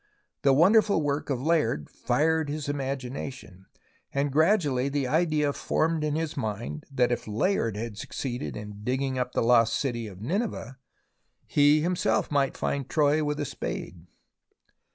The wonderful work of Layard fired his imagination, and gradually the idea formed in his mind that if Layard had succeeded in digging up the lost city of Nineveh he himself might find Troy with a spade.